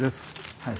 はい。